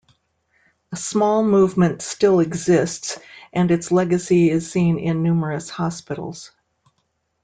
A small movement still exists and its legacy is seen in numerous hospitals.